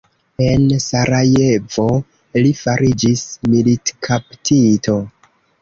En Sarajevo li fariĝis militkaptito.